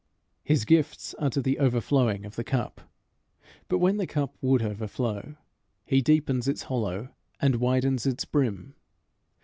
His gifts are to the overflowing of the cup; but when the cup would overflow, he deepens its hollow, and widens its brim.